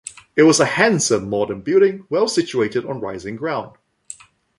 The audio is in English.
It was a handsome modern building, well situated on rising ground.